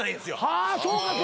はぁそうかそうか。